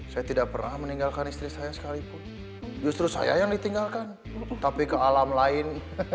saya tidak pernah meninggalkan istri saya sekalipun justru saya yang ditinggalkan tapi ke alam lain